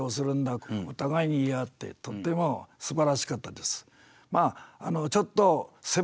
お互いに言い合ってとってもすばらしかったです。